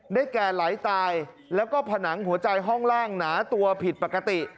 แก่ไหลตายแล้วก็ผนังหัวใจห้องล่างหนาตัวผิดปกติ